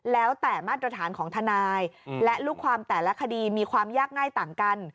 แล้วแต่มาตรฐานของทนายและลูกความแต่ละคดีมีความยากง่ายต่างกัน